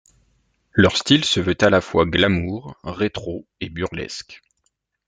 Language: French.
Leur style se veut à la fois glamour, rétro et burlesque.